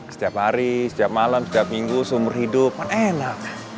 setiap hari setiap malam setiap minggu seumur hidup kan enak